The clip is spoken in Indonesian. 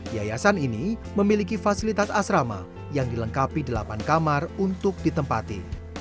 yayasan ini memiliki fasilitas asrama yang dilengkapi delapan kamar untuk ditempati